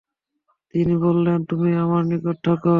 তিনি বললেন, তুমি আমার নিকট থাক।